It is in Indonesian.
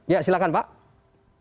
ya silahkan pak